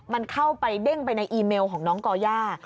มันเข้าไปเด้งไปในอีเมลของน้องก่อย่า